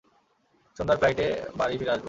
সন্ধ্যার ফ্লাইটে বাড়ি ফিরে আসবো।